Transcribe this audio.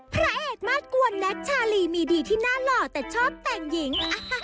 พระเอกมาสกวนแน็กชาลีมีดีที่น่าหล่อแต่ชอบแต่งหญิง